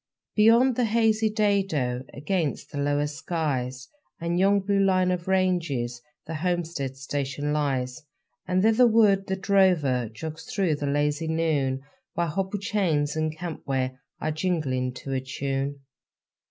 Beyond the hazy dado Against the lower skies And yon blue line of ranges The homestead station lies. And thitherward the drover Jogs through the lazy noon, While hobble chains and camp ware Are jingling to a tune.